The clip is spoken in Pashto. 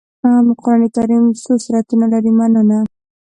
قرآن کريم څو سورتونه لري مننه